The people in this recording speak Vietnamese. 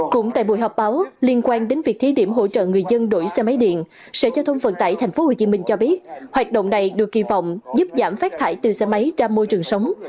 cũng tại buổi họp báo liên quan đến việc thí điểm hỗ trợ người dân đổi xe máy điện sở giao thông vận tải tp hcm cho biết hoạt động này được kỳ vọng giúp giảm phát thải từ xe máy ra môi trường sống